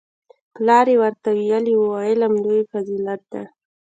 پلار یې ورته ویلي وو علم لوی فضیلت دی